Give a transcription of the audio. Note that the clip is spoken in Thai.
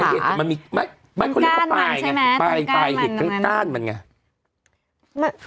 มันกล้านมันใช่ไหมตอนกล้านมันตอนกล้านเห็ดก็กล้านมันไง